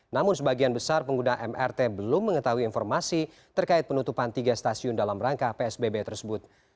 namun sebagian besar pengguna mrt belum mengetahui informasi terkait penutupan tiga stasiun dalam rangka psbb tersebut